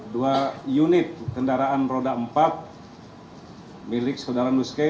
dua unit kendaraan roda empat milik saudara nus kay